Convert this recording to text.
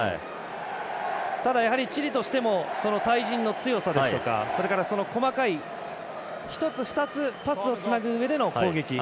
やはりチリとしても対人の強さそれから細かい１つ、２つパスをつなぐうえでの攻撃